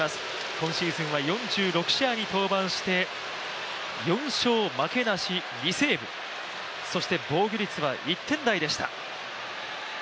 今シーズンは４６試合に登板して、４勝負けなし２セーブ、そして防御率は１点台でした。